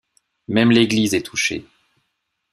Même l'église est touchée.